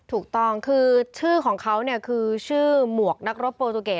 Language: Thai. ถูกต้องชื่อของเขาคือชื่อหมวกนักรถโปรตูเกย์